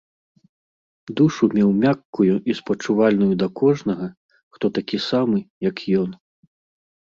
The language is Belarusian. Душу меў мяккую і спачувальную да кожнага, хто такі самы, як ён.